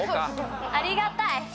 ありがたい。